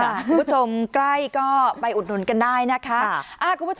คุณผู้ชมใกล้ก็ไปอุดนุนกันได้นะคะค่ะอ่า